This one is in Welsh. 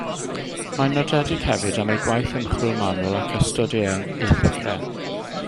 Mae'n nodedig hefyd am ei gwaith ymchwil manwl ac ystod eang ei llyfrau.